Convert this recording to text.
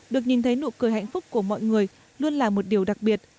được nhìn thấy nụ cười hạnh phúc của mọi người luôn là một điều đặc biệt